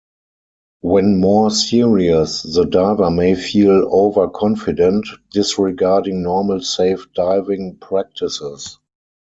When more serious, the diver may feel overconfident, disregarding normal safe diving practices.